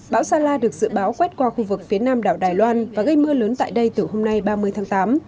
bão sala được dự báo quét qua khu vực phía nam đảo đài loan và gây mưa lớn tại đây từ hôm nay ba mươi tháng tám